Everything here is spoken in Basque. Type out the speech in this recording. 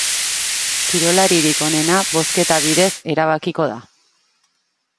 Kirolaririk onena bozketa bidez erabakiko da.